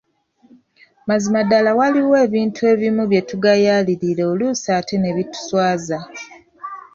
Mazima ddala waliwo ebintu ebimu bye tugayaalirira oluusi ate ne bituswaza.